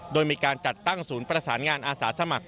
โดยมีการจัดตั้งศูนย์ประสานงานอาสาสมัคร